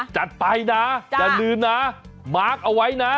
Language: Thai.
จัดไปนะอย่าลืมนะมาร์คเอาไว้นะ